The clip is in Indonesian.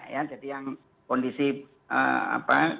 ya jadi yang kondisi apa